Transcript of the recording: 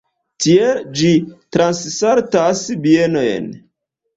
Tiel ĝi transsaltas bienojn.